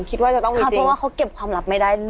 คิดว่าจะต้องมีจริงค่ะเพราะว่าเขาเก็บความลับไม่ได้เลย